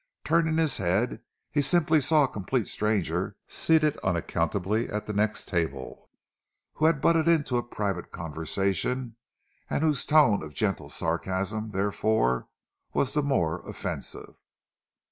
Turning his head, he simply saw a complete stranger seated unaccountably at the next table, who had butted into a private conversation and whose tone of gentle sarcasm, therefore, was the more offensive.